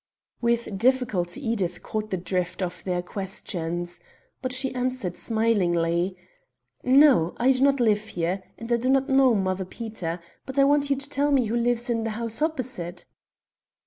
With difficulty Edith caught the drift of their questions. But she answered smilingly "No, I do not live here, and I do not know Mother Peter. But I want you to tell me who lives in the house opposite?"